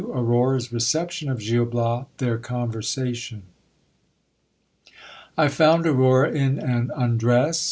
II. — Aurora 's reception of Gil Bias. Their conversation. I FOUND Aurora in an undress.